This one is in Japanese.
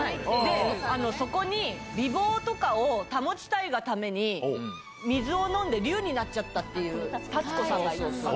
そこに美貌とかを保ちたいがために、水を飲んで龍になっちゃったっていうたつこさんがいる。